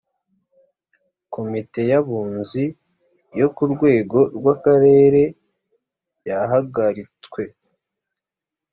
komite y ‘abunzi yo ku rwego rwa karere yahagaritswe